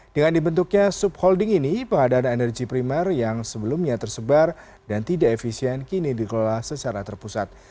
dengan dibentuknya subholding ini pengadaan energi primer yang sebelumnya tersebar dan tidak efisien kini dikelola secara terpusat